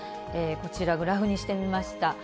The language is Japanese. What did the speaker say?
こちら、グラフにしてみました。